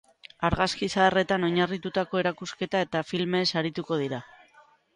Argazki zaharretan oinarritutako erakusketa eta filmeez arituko dira.